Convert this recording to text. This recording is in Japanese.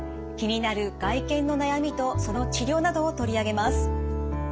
気になる外見の悩みとその治療などを取り上げます。